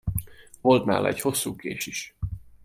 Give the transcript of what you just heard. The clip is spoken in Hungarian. Volt nála egy hosszú kés is!